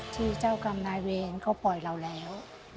ที่เจ้ากรรมนายเวรเขาปล่อยเราแล้ว